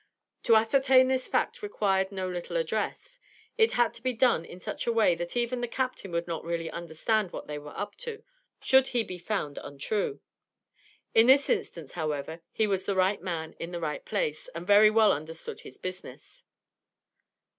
To ascertain this fact required no little address. It had to be done in such a way, that even the captain would not really understand what they were up to, should he be found untrue. In this instance, however, he was the right man in the right place, and very well understood his business.